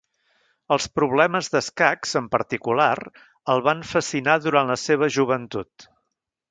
Els problemes d'escacs, en particular, el van fascinar durant la seva joventut.